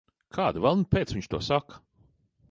Kāda velna pēc viņš to saka?